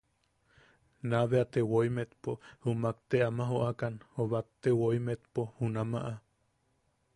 Naa bea te woi metpo jumak te ama jookan o batte woi metpo junama.